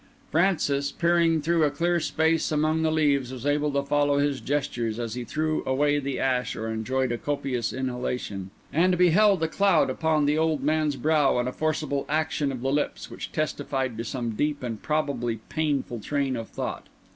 Francis, peering through a clear space among the leaves, was able to follow his gestures as he threw away the ash or enjoyed a copious inhalation; and beheld a cloud upon the old man's brow and a forcible action of the lips, which testified to some deep and probably painful train of thought.